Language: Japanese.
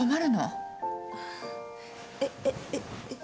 えっえっえっ。